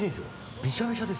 びしゃびしゃです。